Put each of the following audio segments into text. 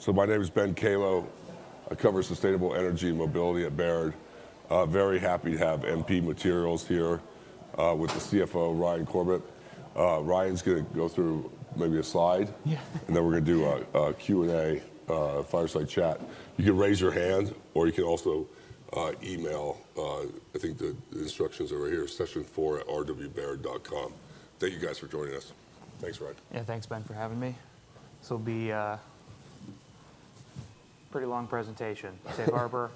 So my name is Ben Kallo. I cover sustainable energy and mobility at Baird. Very happy to have MP Materials here with the CFO, Ryan Corbett. Ryan's going to go through maybe a slide. Yeah. Then we're going to do a Q&A fireside chat. You can raise your hand, or you can also email. I think the instructions are over here, session4@rwbaird.com. Thank you, guys, for joining us. Thanks, Ryan. Yeah, thanks, Ben, for having me. This will be a pretty long presentation. I'm sorry. Safe harbor.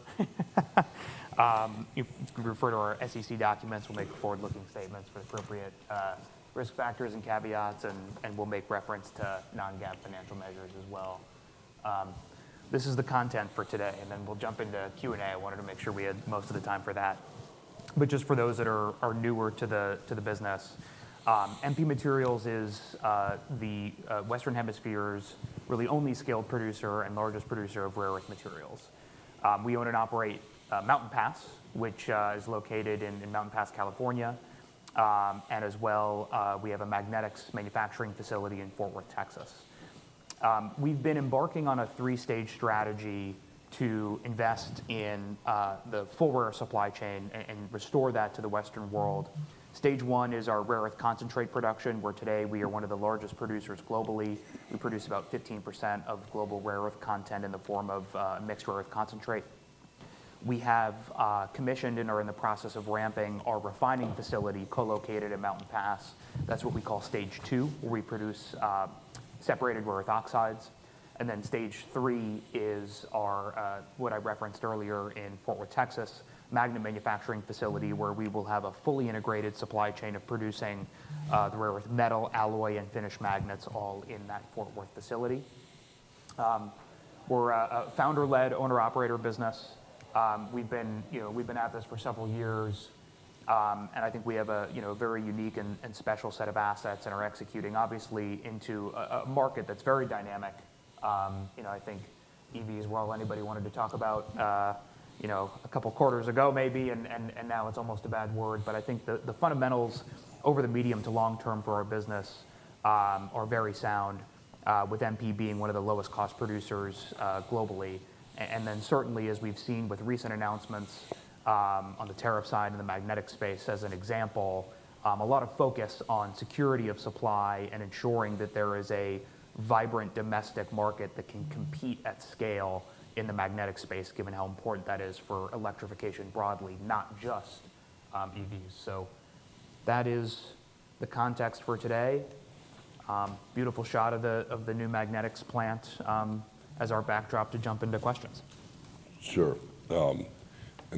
You can refer to our SEC documents. We'll make forward-looking statements for appropriate risk factors and caveats, and we'll make reference to non-GAAP financial measures as well. This is the content for today, and then we'll jump into Q&A. I wanted to make sure we had most of the time for that. But just for those that are newer to the business, MP Materials is the Western Hemisphere's really only scaled producer and largest producer of rare earth materials. We own and operate Mountain Pass, which is located in Mountain Pass, California. As well, we have a magnetics manufacturing facility in Fort Worth, Texas. We've been embarking on a three-stage strategy to invest in the full rare earth supply chain and restore that to the Western world. Stage I is our rare earth concentrate production, where today we are one of the largest producers globally. We produce about 15% of global rare earth content in the form of mixed rare earth concentrate. We have commissioned and are in the process of ramping our refining facility co-located in Mountain Pass. That's what we call Stage II, where we produce separated rare earth oxides. Then Stage III is our, what I referenced earlier in Fort Worth, Texas, magnet manufacturing facility, where we will have a fully integrated supply chain of producing the rare earth metal, alloy, and finished magnets all in that Fort Worth facility. We're a founder-led owner-operator business. We've been at this for several years, and I think we have a very unique and special set of assets and are executing, obviously, into a market that's very dynamic. I think EVs were all anybody wanted to talk about a couple of quarters ago, maybe, and now it's almost a bad word. I think the fundamentals over the medium to long term for our business are very sound, with MP being one of the lowest cost producers globally. Certainly, as we've seen with recent announcements on the tariff side in the magnetic space, as an example, a lot of focus on security of supply and ensuring that there is a vibrant domestic market that can compete at scale in the magnetic space, given how important that is for electrification broadly, not just EVs. That is the context for today. Beautiful shot of the new magnetics plant as our backdrop to jump into questions. Sure.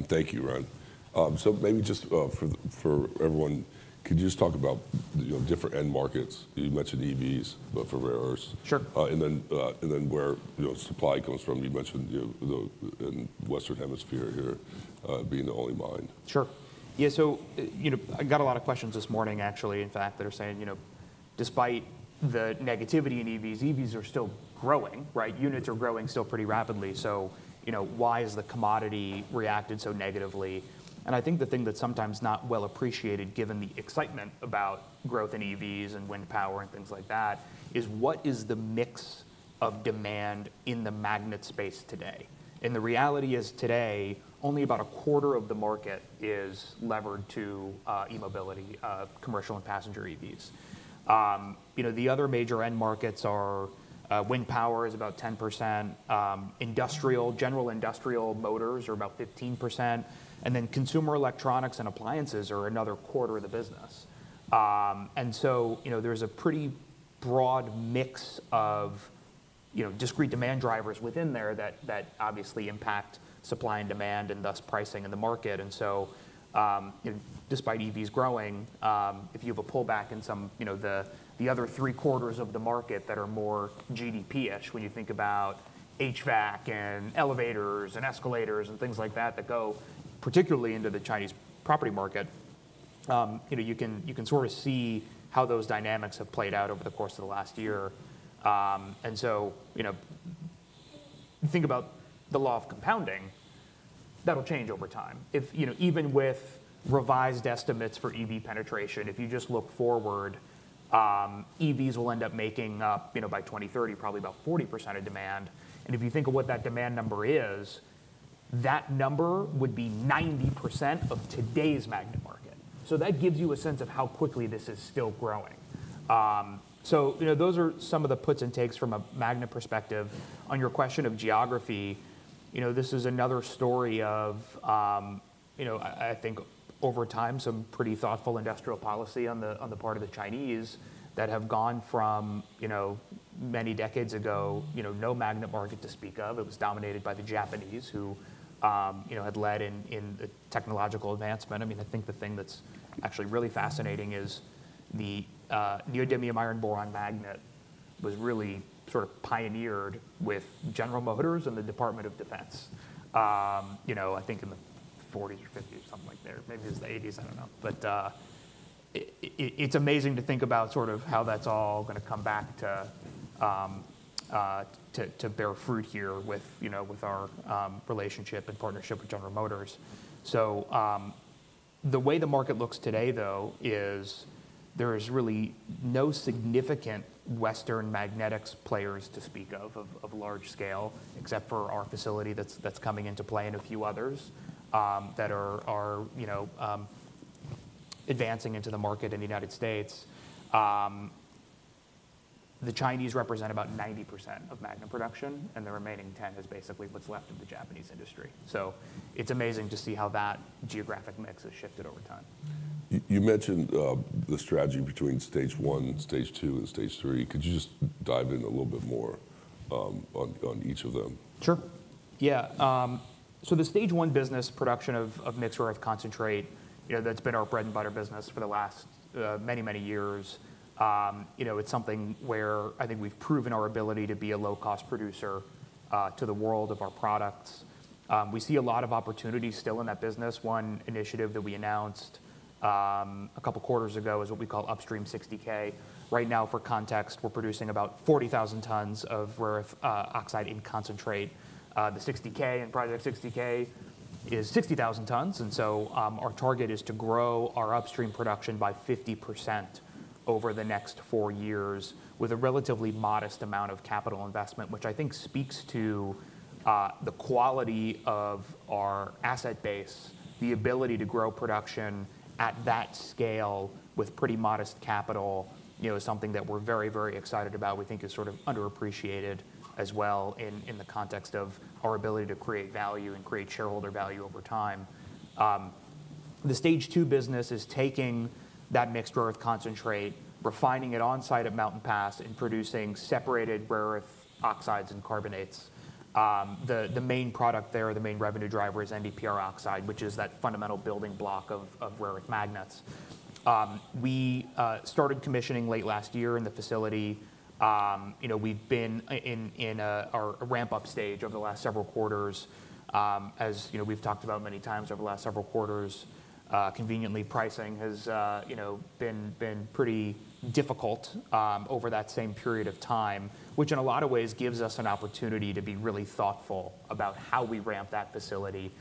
Thank you, Ryan. Maybe just for everyone, could you just talk about different end markets? You mentioned EVs, but for rare earths. Sure. And then, where supply comes from. You mentioned the Western Hemisphere here being the only mine. Sure. Yeah, so I got a lot of questions this morning, actually, in fact, that are saying, despite the negativity in EVs, EVs are still growing, right? Units are growing still pretty rapidly. So why has the commodity reacted so negatively? And I think the thing that's sometimes not well appreciated, given the excitement about growth in EVs and wind power and things like that, is what is the mix of demand in the magnet space today? And the reality is today, only about a quarter of the market is levered to e-mobility, commercial and passenger EVs. The other major end markets are wind power is about 10%, general industrial motors are about 15%, and then consumer electronics and appliances are another quarter of the business. And so there's a pretty broad mix of discrete demand drivers within there that obviously impact supply and demand and thus pricing in the market. And so despite EVs growing, if you have a pullback in some of the other three quarters of the market that are more GDP-ish, when you think about HVAC and elevators and escalators and things like that that go particularly into the Chinese property market, you can sort of see how those dynamics have played out over the course of the last year. And so think about the law of compounding. That'll change over time. Even with revised estimates for EV penetration, if you just look forward, EVs will end up making up by 2030 probably about 40% of demand. And if you think of what that demand number is, that number would be 90% of today's magnet market. So that gives you a sense of how quickly this is still growing. So those are some of the puts and takes from a magnet perspective. On your question of geography, this is another story of, I think, over time, some pretty thoughtful industrial policy on the part of the Chinese that have gone from many decades ago, no magnet market to speak of. It was dominated by the Japanese, who had led in the technological advancement. I mean, I think the thing that's actually really fascinating is the neodymium iron boron magnet was really sort of pioneered with General Motors and the Department of Defense, I think in the '40s or '50s, something like there. Maybe it was the '80s. I don't know. But it's amazing to think about sort of how that's all going to come back to bear fruit here with our relationship and partnership with General Motors. So the way the market looks today, though, is there is really no significant Western magnetics players to speak of, of large scale, except for our facility that's coming into play and a few others that are advancing into the market in the United States. The Chinese represent about 90% of magnet production, and the remaining 10% is basically what's left of the Japanese industry. So it's amazing to see how that geographic mix has shifted over time. You mentioned the strategy between Stage I, Stage II, and Stage III. Could you just dive in a little bit more on each of them? Sure. Yeah. So the Stage l business, production of mixed rare earth concentrate, that's been our bread and butter business for the last many, many years. It's something where I think we've proven our ability to be a low-cost producer to the world of our products. We see a lot of opportunities still in that business. One initiative that we announced a couple of quarters ago is what we call Upstream 60K. Right now, for context, we're producing about 40,000 tons of rare earth oxide in concentrate. The 60K and Project 60K is 60,000 tons. And so our target is to grow our upstream production by 50% over the next four years with a relatively modest amount of capital investment, which I think speaks to the quality of our asset base. The ability to grow production at that scale with pretty modest capital is something that we're very, very excited about. We think is sort of underappreciated as well in the context of our ability to create value and create shareholder value over time. The Stage II business is taking that mixed rare earth concentrate, refining it on site at Mountain Pass, and producing separated rare earth oxides and carbonates. The main product there, the main revenue driver, is NdPr oxide, which is that fundamental building block of rare earth magnets. We started commissioning late last year in the facility. We've been in a ramp-up stage over the last several quarters. As we've talked about many times over the last several quarters, conveniently, pricing has been pretty difficult over that same period of time, which in a lot of ways gives us an opportunity to be really thoughtful about how we ramp that facility.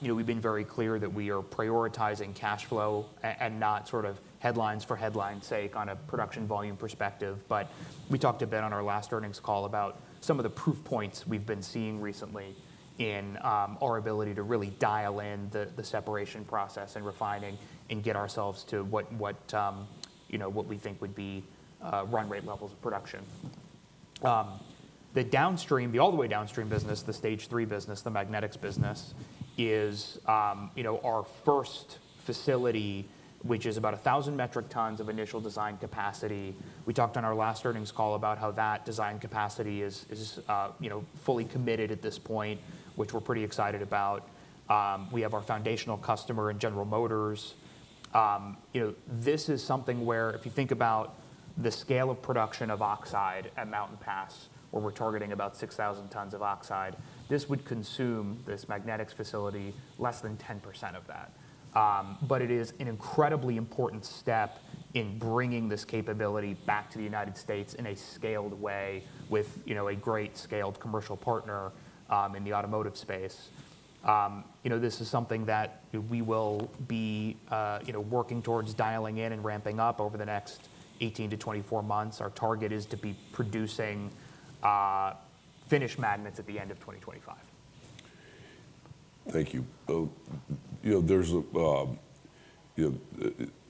We've been very clear that we are prioritizing cash flow and not sort of headlines for headlines' sake on a production volume perspective. But we talked a bit on our last earnings call about some of the proof points we've been seeing recently in our ability to really dial in the separation process and refining and get ourselves to what we think would be run rate levels of production. The downstream, the all-the-way downstream business, the Stage III business, the magnetics business, is our first facility, which is about 1,000 metric tons of initial design capacity. We talked on our last earnings call about how that design capacity is fully committed at this point, which we're pretty excited about. We have our foundational customer in General Motors. This is something where, if you think about the scale of production of oxide at Mountain Pass, where we're targeting about 6,000 tons of oxide, this would consume this magnetics facility less than 10% of that. But it is an incredibly important step in bringing this capability back to the United States in a scaled way with a great scaled commercial partner in the automotive space. This is something that we will be working towards dialing in and ramping up over the next 18-24 months. Our target is to be producing finished magnets at the end of 2025. Thank you.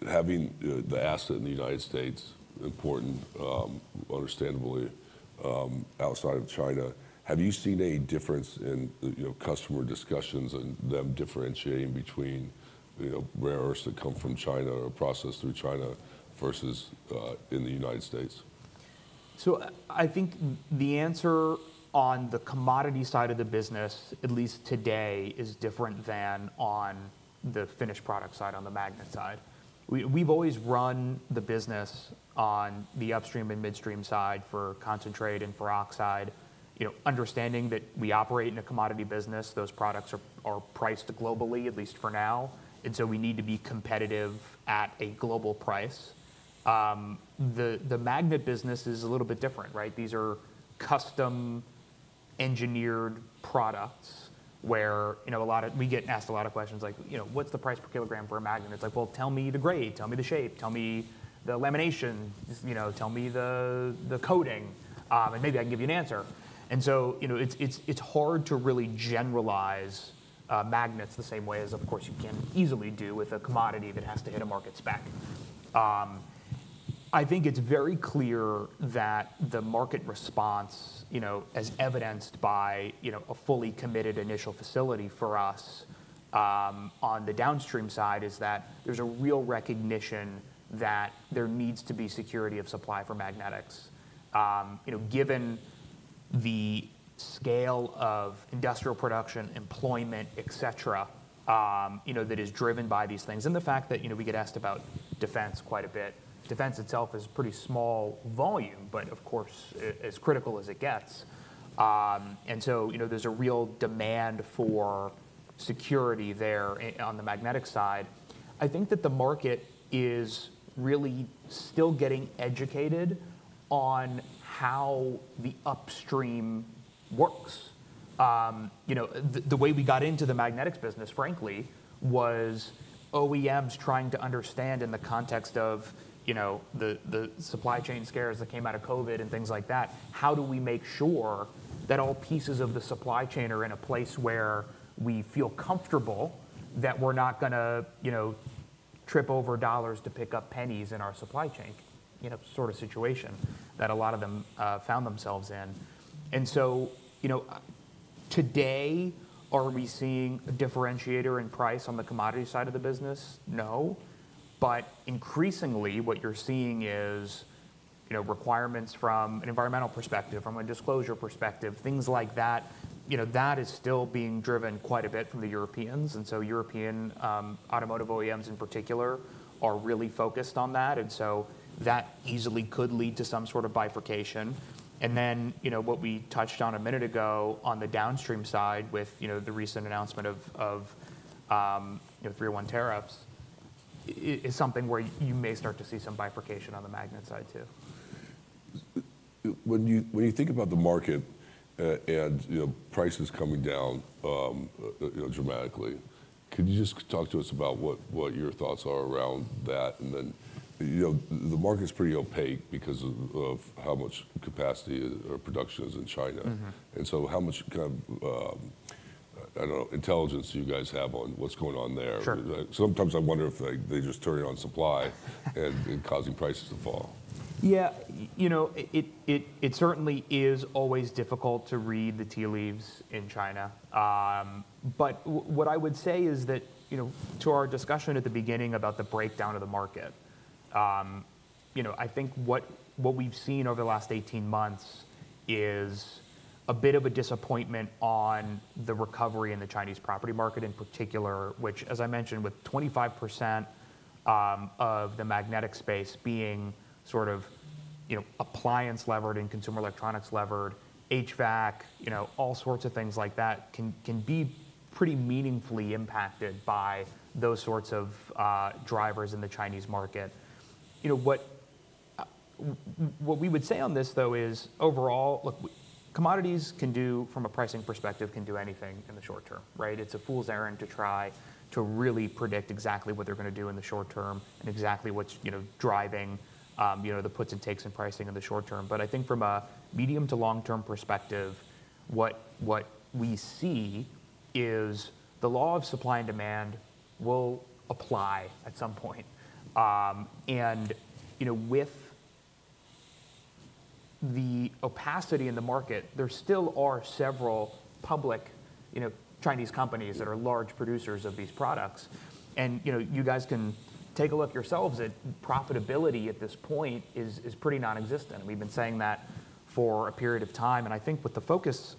Having the asset in the United States important, understandably, outside of China, have you seen any difference in customer discussions and them differentiating between rare earths that come from China or processed through China versus in the United States? So I think the answer on the commodity side of the business, at least today, is different than on the finished product side, on the magnet side. We've always run the business on the upstream and midstream side for concentrate and for oxide. Understanding that we operate in a commodity business, those products are priced globally, at least for now. And so we need to be competitive at a global price. The magnet business is a little bit different, right? These are custom-engineered products where we get asked a lot of questions like, what's the price per kilogram for a magnet? It's like, well, tell me the grade. Tell me the shape. Tell me the lamination. Tell me the coating. And maybe I can give you an answer. And so it's hard to really generalize magnets the same way as, of course, you can easily do with a commodity that has to hit a market spec. I think it's very clear that the market response, as evidenced by a fully committed initial facility for us on the downstream side, is that there's a real recognition that there needs to be security of supply for magnetics, given the scale of industrial production, employment, etc., that is driven by these things. And the fact that we get asked about defense quite a bit. Defense itself is pretty small volume, but of course, as critical as it gets. And so there's a real demand for security there on the magnetic side. I think that the market is really still getting educated on how the upstream works. The way we got into the magnetics business, frankly, was OEMs trying to understand in the context of the supply chain scares that came out of COVID and things like that, how do we make sure that all pieces of the supply chain are in a place where we feel comfortable that we're not going to trip over dollars to pick up pennies in our supply chain sort of situation that a lot of them found themselves in. And so today, are we seeing a differentiator in price on the commodity side of the business? No. But increasingly, what you're seeing is requirements from an environmental perspective, from a disclosure perspective, things like that. That is still being driven quite a bit from the Europeans. And so European automotive OEMs in particular are really focused on that. And so that easily could lead to some sort of bifurcation. And then what we touched on a minute ago on the downstream side with the recent announcement of 301 tariffs is something where you may start to see some bifurcation on the magnet side, too. When you think about the market and prices coming down dramatically, could you just talk to us about what your thoughts are around that? And then the market's pretty opaque because of how much capacity or production is in China. And so how much kind of intelligence do you guys have on what's going on there? Sometimes I wonder if they just turn on supply and causing prices to fall. Yeah. It certainly is always difficult to read the tea leaves in China. But what I would say is that to our discussion at the beginning about the breakdown of the market, I think what we've seen over the last 18 months is a bit of a disappointment on the recovery in the Chinese property market in particular, which, as I mentioned, with 25% of the magnetic space being sort of appliance levered and consumer electronics levered, HVAC, all sorts of things like that can be pretty meaningfully impacted by those sorts of drivers in the Chinese market. What we would say on this, though, is overall, look, commodities can do, from a pricing perspective, can do anything in the short term, right? It's a fool's errand to try to really predict exactly what they're going to do in the short term and exactly what's driving the puts and takes in pricing in the short term. But I think from a medium to long-term perspective, what we see is the law of supply and demand will apply at some point. With the opacity in the market, there still are several public Chinese companies that are large producers of these products. You guys can take a look yourselves at profitability at this point is pretty nonexistent. We've been saying that for a period of time. I think what the focus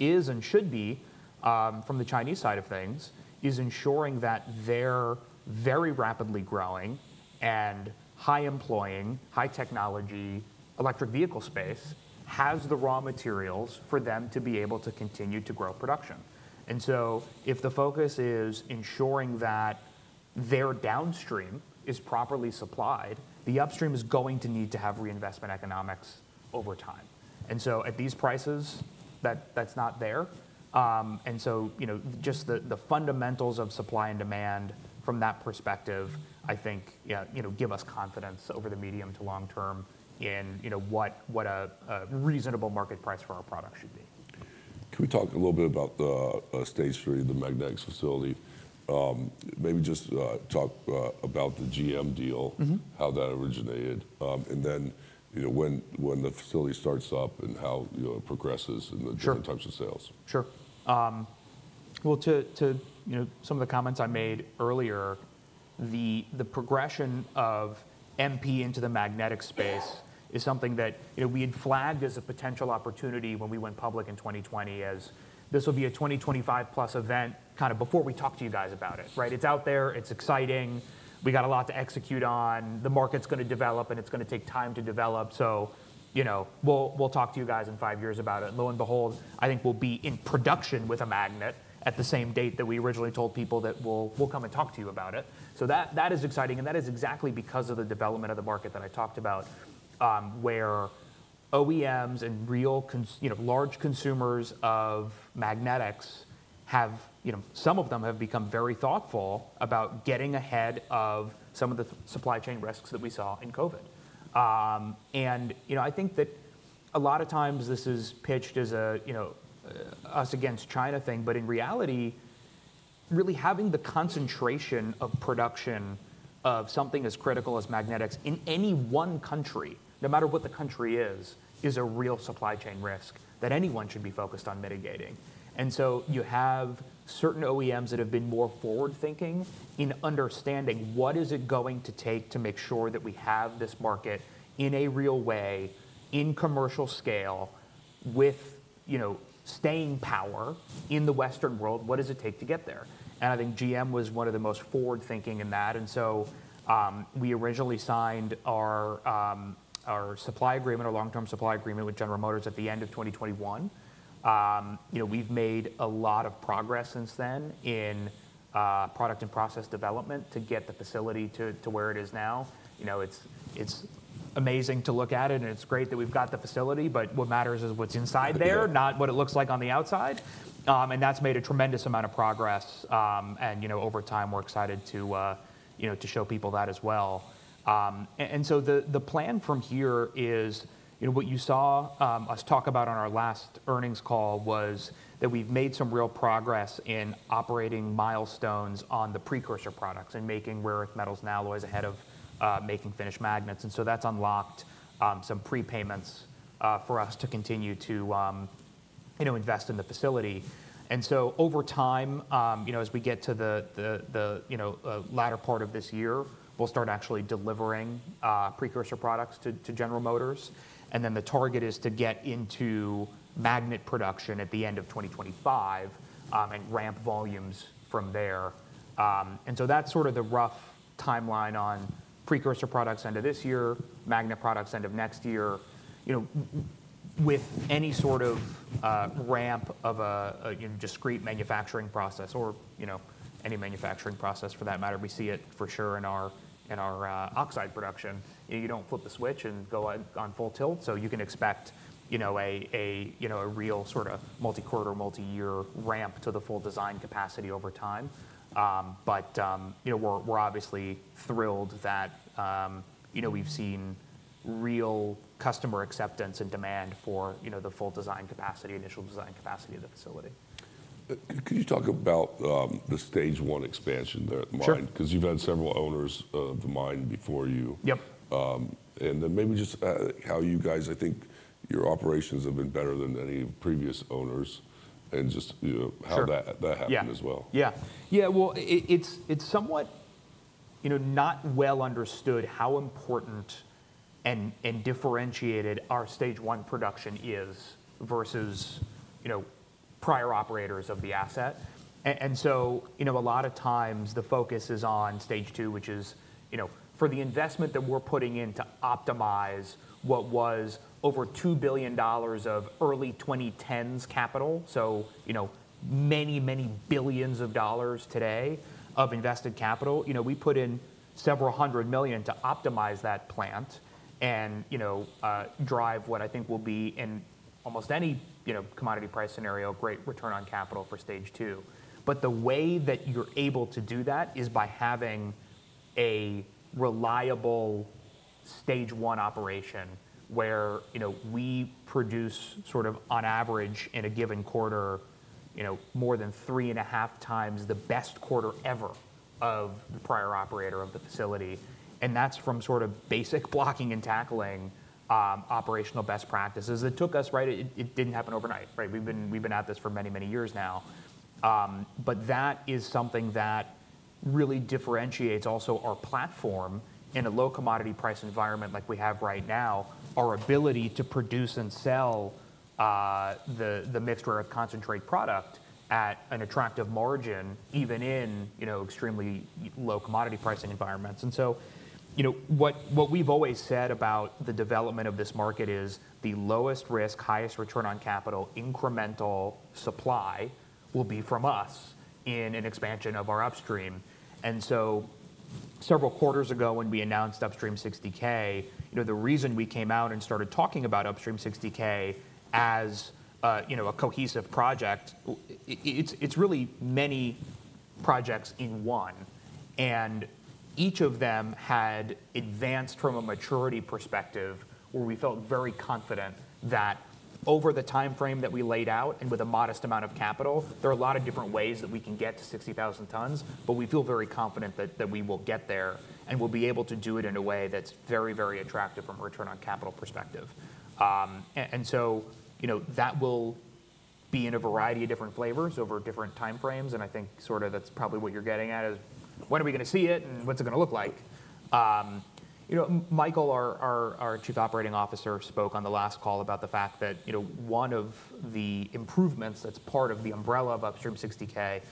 is and should be from the Chinese side of things is ensuring that their very rapidly growing and high-employing, high-technology electric vehicle space has the raw materials for them to be able to continue to grow production. If the focus is ensuring that their downstream is properly supplied, the upstream is going to need to have reinvestment economics over time. At these prices, that's not there. Just the fundamentals of supply and demand from that perspective, I think, give us confidence over the medium to long term in what a reasonable market price for our product should be. Can we talk a little bit about the Stage III, the magnetics facility? Maybe just talk about the GM deal, how that originated, and then when the facility starts up and how it progresses and the different types of sales. Sure. Well, to some of the comments I made earlier, the progression of MP into the magnetic space is something that we had flagged as a potential opportunity when we went public in 2020 as this will be a 2025+ event kind of before we talk to you guys about it, right? It's out there. It's exciting. We got a lot to execute on. The market's going to develop, and it's going to take time to develop. So we'll talk to you guys in five years about it. Lo and behold, I think we'll be in production with a magnet at the same date that we originally told people that we'll come and talk to you about it. So that is exciting. And that is exactly because of the development of the market that I talked about where OEMs and real large consumers of magnetics have, some of them have become very thoughtful about getting ahead of some of the supply chain risks that we saw in COVID. And I think that a lot of times this is pitched as a us against China thing. But in reality, really having the concentration of production of something as critical as magnetics in any one country, no matter what the country is, is a real supply chain risk that anyone should be focused on mitigating. And so you have certain OEMs that have been more forward-thinking in understanding what is it going to take to make sure that we have this market in a real way in commercial scale with staying power in the Western world. What does it take to get there? I think GM was one of the most forward-thinking in that. So we originally signed our supply agreement, our long-term supply agreement with General Motors at the end of 2021. We've made a lot of progress since then in product and process development to get the facility to where it is now. It's amazing to look at it, and it's great that we've got the facility. But what matters is what's inside there, not what it looks like on the outside. And that's made a tremendous amount of progress. And over time, we're excited to show people that as well. So the plan from here is what you saw us talk about on our last earnings call was that we've made some real progress in operating milestones on the precursor products and making rare earth metals and alloys ahead of making finished magnets. That's unlocked some prepayments for us to continue to invest in the facility. So over time, as we get to the latter part of this year, we'll start actually delivering precursor products to General Motors. And then the target is to get into magnet production at the end of 2025 and ramp volumes from there. And so that's sort of the rough timeline on precursor products end of this year, magnet products end of next year with any sort of ramp of a discrete manufacturing process or any manufacturing process for that matter. We see it for sure in our oxide production. You don't flip the switch and go on full tilt. So you can expect a real sort of multi-quarter, multi-year ramp to the full design capacity over time. We're obviously thrilled that we've seen real customer acceptance and demand for the full design capacity, initial design capacity of the facility. Could you talk about the Stage I expansion there at the mine? Because you've had several owners of the mine before you. Yep. And then maybe just how you guys, I think your operations have been better than any previous owners and just how that happened as well? Yeah. Yeah. Well, it's somewhat not well understood how important and differentiated our Stage I production is versus prior operators of the asset. So a lot of times the focus is on Stage II, which is for the investment that we're putting in to optimize what was over $2 billion of early 2010s capital, so many, many billions of dollars today of invested capital. We put in several hundred million to optimize that plant and drive what I think will be in almost any commodity price scenario, great return on capital for Stage II. But the way that you're able to do that is by having a reliable Stage I operation where we produce sort of on average in a given quarter more than 3.5x the best quarter ever of the prior operator of the facility. That's from sort of basic blocking and tackling operational best practices. It took us, right? It didn't happen overnight, right? We've been at this for many, many years now. But that is something that really differentiates also our platform in a low commodity price environment like we have right now, our ability to produce and sell the mixed rare earth concentrate product at an attractive margin even in extremely low commodity pricing environments. And so what we've always said about the development of this market is the lowest risk, highest return on capital, incremental supply will be from us in an expansion of our upstream. And so several quarters ago when we announced Upstream 60K, the reason we came out and started talking about Upstream 60K as a cohesive project, it's really many projects in one. Each of them had advanced from a maturity perspective where we felt very confident that over the time frame that we laid out and with a modest amount of capital, there are a lot of different ways that we can get to 60,000 tons. But we feel very confident that we will get there and we'll be able to do it in a way that's very, very attractive from a return on capital perspective. And so that will be in a variety of different flavors over different time frames. And I think sort of that's probably what you're getting at is when are we going to see it and what's it going to look like? Michael, our Chief Operating Officer, spoke on the last call about the fact that one of the improvements that's part of the umbrella of Upstream 60K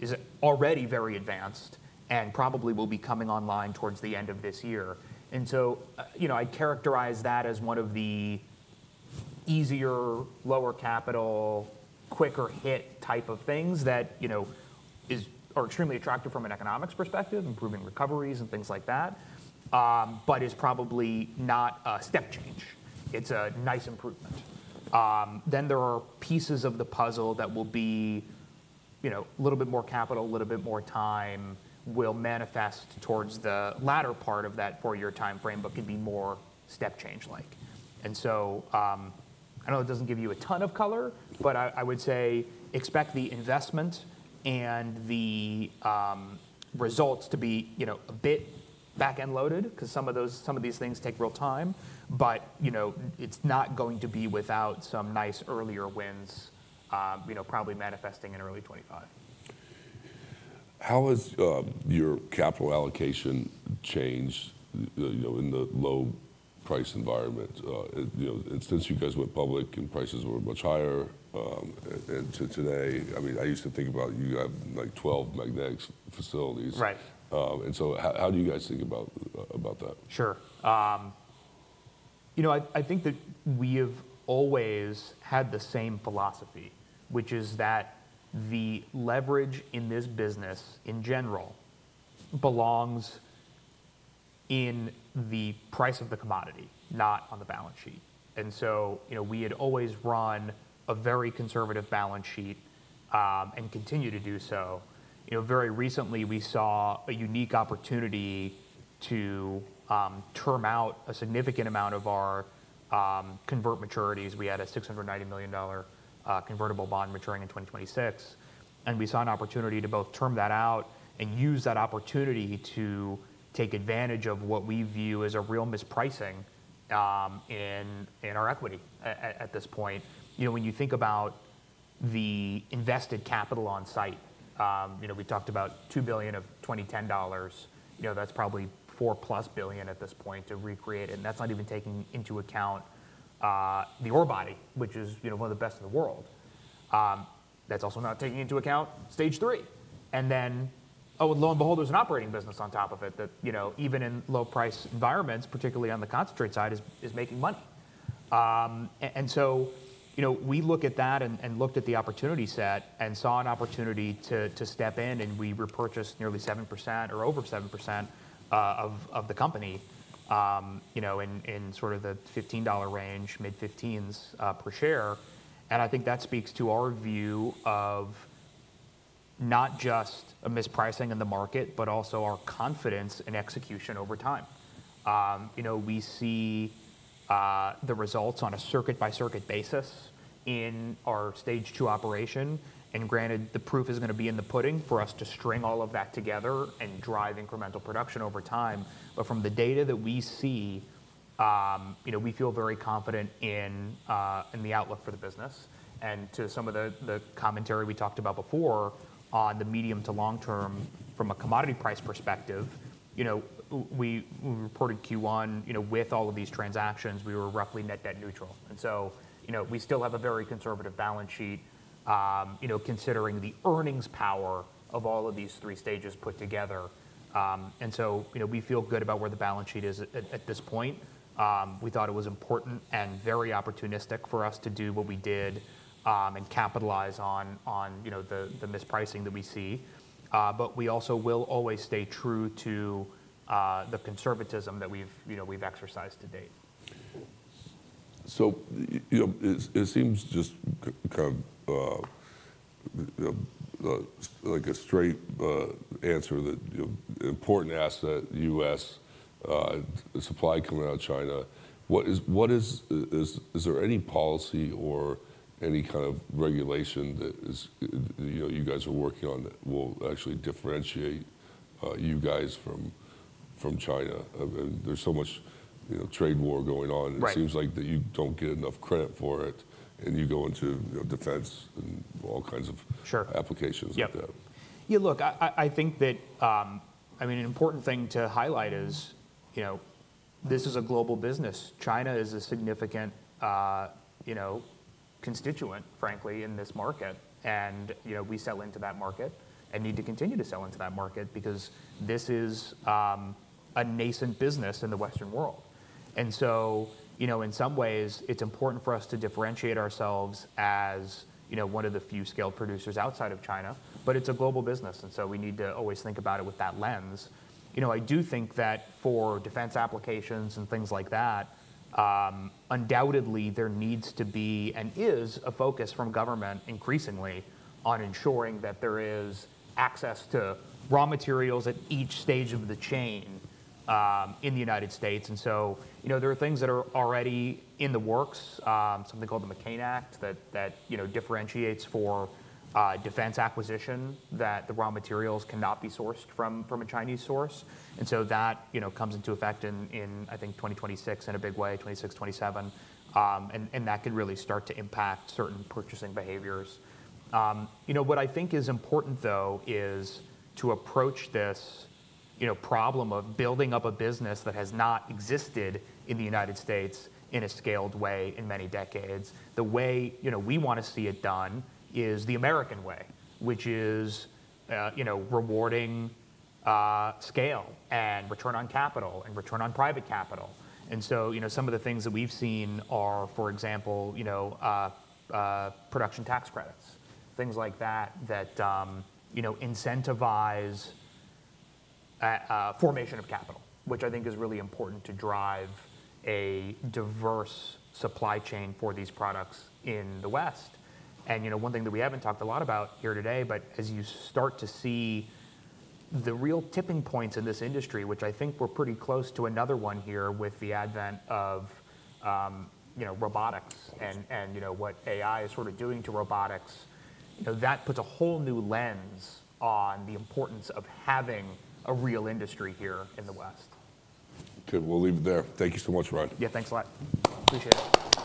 is already very advanced and probably will be coming online towards the end of this year. And so I characterize that as one of the easier, lower capital, quicker hit type of things that are extremely attractive from an economics perspective, improving recoveries and things like that, but is probably not a step change. It's a nice improvement. Then there are pieces of the puzzle that will be a little bit more capital, a little bit more time will manifest towards the latter part of that four-year time frame, but can be more step change-like. And so I know it doesn't give you a ton of color, but I would say expect the investment and the results to be a bit back-end loaded because some of these things take real time. But it's not going to be without some nice earlier wins probably manifesting in early 2025. How has your capital allocation changed in the low price environment? Since you guys went public and prices were much higher today, I mean, I used to think about you have like 12 magnetics facilities. Right. How do you guys think about that? Sure. I think that we have always had the same philosophy, which is that the leverage in this business in general belongs in the price of the commodity, not on the balance sheet. And so we had always run a very conservative balance sheet and continue to do so. Very recently, we saw a unique opportunity to term out a significant amount of our convert maturities. We had a $690 million convertible bond maturing in 2026. And we saw an opportunity to both term that out and use that opportunity to take advantage of what we view as a real mispricing in our equity at this point. When you think about the invested capital on site, we talked about $2 billion in 2010. That's probably $4+ billion at this point to recreate it. And that's not even taking into account the ore body, which is one of the best in the world. That's also not taking into account Stage III. And then, oh, and lo and behold, there's an operating business on top of it that even in low price environments, particularly on the concentrate side, is making money. And so we looked at that and looked at the opportunity set and saw an opportunity to step in. And we repurchased nearly 7% or over 7% of the company in sort of the $15 range, mid-15s per share. And I think that speaks to our view of not just a mispricing in the market, but also our confidence in execution over time. We see the results on a circuit-by-circuit basis in our stage II operation. Granted, the proof is going to be in the pudding for us to string all of that together and drive incremental production over time. But from the data that we see, we feel very confident in the outlook for the business. To some of the commentary we talked about before on the medium to long term from a commodity price perspective, we reported Q1 with all of these transactions, we were roughly net debt neutral. So we still have a very conservative balance sheet considering the earnings power of all of these three stages put together. We feel good about where the balance sheet is at this point. We thought it was important and very opportunistic for us to do what we did and capitalize on the mispricing that we see. But we also will always stay true to the conservatism that we've exercised to date. So it seems just kind of like a straight answer that important asset, U.S. supply coming out of China. Is there any policy or any kind of regulation that you guys are working on that will actually differentiate you guys from China? There's so much trade war going on. It seems like that you don't get enough credit for it. And you go into defense and all kinds of applications like that. Yeah. Look, I think that, I mean, an important thing to highlight is this is a global business. China is a significant constituent, frankly, in this market. And we sell into that market and need to continue to sell into that market because this is a nascent business in the Western world. And so in some ways, it's important for us to differentiate ourselves as one of the few scale producers outside of China. But it's a global business. And so we need to always think about it with that lens. I do think that for defense applications and things like that, undoubtedly, there needs to be and is a focus from government increasingly on ensuring that there is access to raw materials at each stage of the chain in the United States. There are things that are already in the works, something called the McCain Act that differentiates for defense acquisition that the raw materials cannot be sourced from a Chinese source. That comes into effect in, I think, 2026 in a big way, 2026, 2027. That could really start to impact certain purchasing behaviors. What I think is important, though, is to approach this problem of building up a business that has not existed in the United States in a scaled way in many decades. The way we want to see it done is the American way, which is rewarding scale and return on capital and return on private capital. And so some of the things that we've seen are, for example, production tax credits, things like that that incentivize formation of capital, which I think is really important to drive a diverse supply chain for these products in the West. And one thing that we haven't talked a lot about here today, but as you start to see the real tipping points in this industry, which I think we're pretty close to another one here with the advent of robotics and what AI is sort of doing to robotics, that puts a whole new lens on the importance of having a real industry here in the West. Okay. We'll leave it there. Thank you so much, Ryan. Yeah. Thanks a lot. Appreciate it.